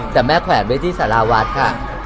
แต่แม่แขวนไว้ที่สาราวัดค่ะ